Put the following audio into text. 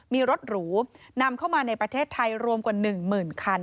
มีรถหรูนำเข้ามาในประเทศไทยรวมกว่า๑หมื่นคัน